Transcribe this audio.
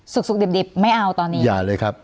สุกดิบดิบไม่เอาตอนนี้อย่าเลยครับ